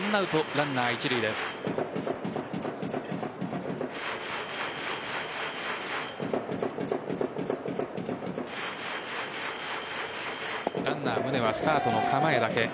ランナー・宗はスタートの構えだけ。